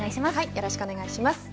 よろしくお願いします。